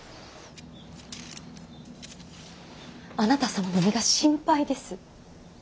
あなた様の身が心配です。